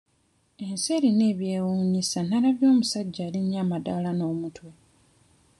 Ensi erina ebyewuunyisa nalabye omusajja alinnya amadaala n'omutwe.